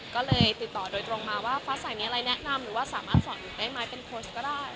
ก็เลยติดต่อโดยตรงมาว่าฟ้าใสมีอะไรแนะนำหรือว่าสามารถสอนหนูได้ไหมเป็นโค้ชก็ได้